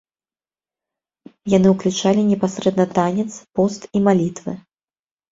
Яны ўключалі непасрэдна танец, пост і малітвы.